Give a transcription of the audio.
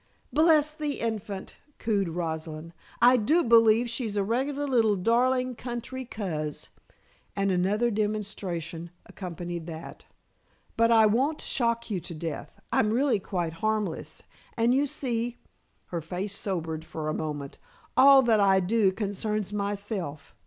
"Bless the infant!" cooed Rosalind, "I do believe she's a regular little darling, country coz," and another demonstration accompanied that. "But I won't shock you to death. I'm really quite harmless, and you see," her face sobered for a moment, "all that I do concerns myself.